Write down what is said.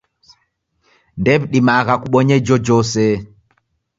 Ndew'idimagha kubonya ijojose.